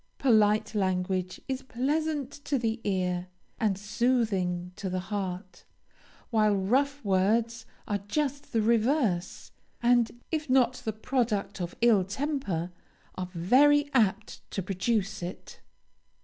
Polite language is pleasant to the ear, and soothing to the heart, while rough words are just the reverse; and if not the product of ill temper, are very apt to produce it.